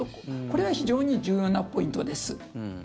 これは非常に重要なポイントです。